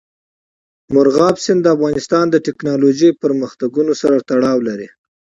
مورغاب سیند د افغانستان د تکنالوژۍ پرمختګ سره تړاو لري.